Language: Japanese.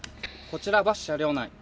こちらバス車両内。